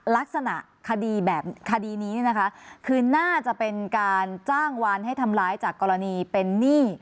ลักษณะคดีนี้น่าจะเป็นการจ้างวานให้ทำร้ายจากกรณีเป็นหนี้